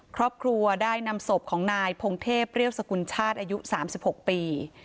ครอบครัวได้นำศพของนายพงเทพเรียบสกุลชาติอายุ๓๖ปี